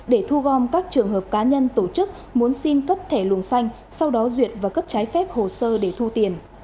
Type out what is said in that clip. để thu gom các trường hợp cá nhân tổ chức muốn xin cấp thẻ luồng xanh sau đó duyệt và cấp trái phép hồ sơ để thu tiền